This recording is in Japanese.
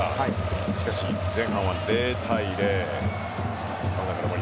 しかし、前半は０対０。